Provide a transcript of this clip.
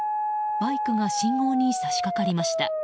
バイクが信号に差し掛かりました。